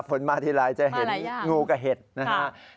ฝนมาทีลายจะเห็นงูกับเห็ดนะฮะที่จังหวัดแพร่มาหลายอย่าง